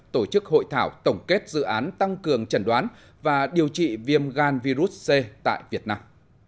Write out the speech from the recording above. tổ chức hội thảo tổng kết dự án tăng cường trần đoán và điều trị viêm gan virus c tại việt nam